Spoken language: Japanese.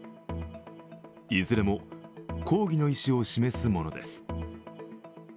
いずれも抗議の意思を示すものです。